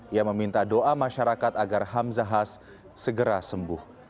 ia meminta doa masyarakat agar hamzahas segera sembuh